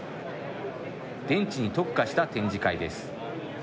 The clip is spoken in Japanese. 電池に特化した展示会です。